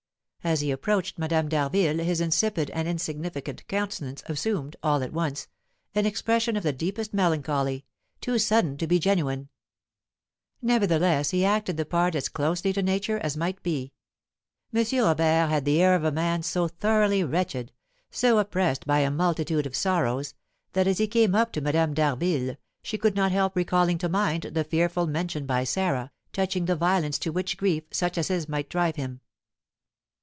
As he approached Madame d'Harville his insipid and insignificant countenance assumed, all at once, an expression of the deepest melancholy, too sudden to be genuine; nevertheless he acted the part as closely to nature as might be. M. Robert had the air of a man so thoroughly wretched, so oppressed by a multitude of sorrows, that as he came up to Madame d'Harville she could not help recalling to mind the fearful mention made by Sarah touching the violence to which grief such as his might drive him.